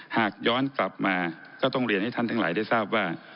หากย้อนกลับมาก็ต้องเรียนให้ท่านทั้งหลายได้ทราบว่า